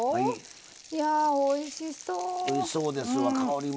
いやー、おいしそう。